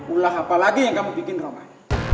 ulah apa lagi yang kamu bikin romah